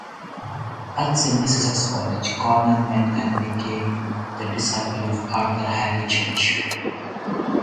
At Sidney Sussex College, Corner met and became the disciple of Arthur Harry Church.